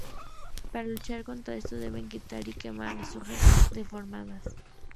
Para luchar contra esto se deben quitar y quemar las hojas deformadas.